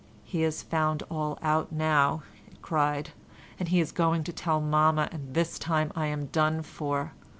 "He has found all out now," it cried, "and he is going to tell mamma—this time I am done for."